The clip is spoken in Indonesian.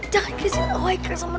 jangan kasih ke haikal sama